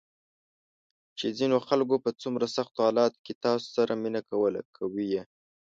چې ځینو خلکو په څومره سختو حالاتو کې تاسو سره مینه کوله، کوي یې ~